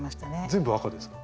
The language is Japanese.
全部赤ですか？